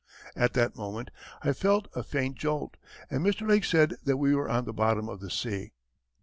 At that moment, I felt a faint jolt, and Mr. Lake said that we were on the bottom of the sea.